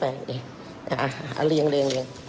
เอาเรียงเลียงเรียง